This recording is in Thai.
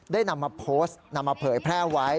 นำมาโพสต์นำมาเผยแพร่ไว้